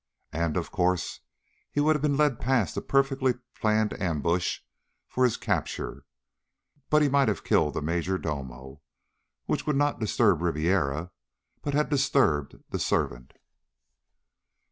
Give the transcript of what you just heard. And, of course, he would have been led past a perfectly planned ambush for his capture but he might have killed the major domo. Which would not disturb Ribiera, but had disturbed the servant.